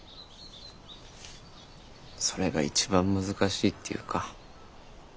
それが一番難しいっていうか。